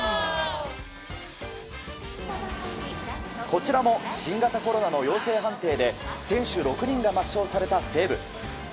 こちらも新型コロナの陽性判定で選手６人が抹消された西武。